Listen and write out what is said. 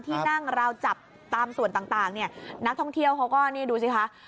ที่นั่งราวจับตามส่วนต่างเนี่ยนักท่องเที่ยวเขาก็นี่ดูสิคะ